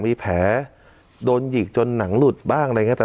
มีแผลโดนหยิกจนหนังหลุดบ้างอะไรอย่างนี้